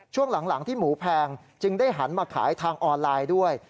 ช่วงหลังที่หมูแพงจึงได้หันมาขายทางออนไลน์ด้วย